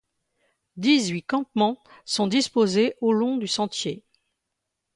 Dix-huit campements sont disposées au long du sentier.